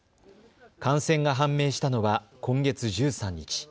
感染が判明したのは今月１３日。